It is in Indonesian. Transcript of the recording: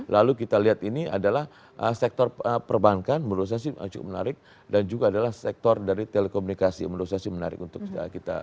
lalu kita lihat ini adalah sektor perbankan menurut saya sih cukup menarik dan juga adalah sektor dari telekomunikasi menurut saya sih menarik untuk kita